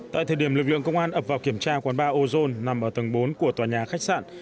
tại thời điểm lực lượng công an ập vào kiểm tra quán ba ozone nằm ở tầng bốn của tòa nhà khách sạn